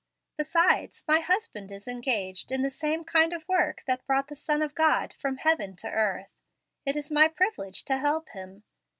Besides, my husband is engaged in the same kind of work that brought the Son of God from heaven to earth. It is my privilege to help him.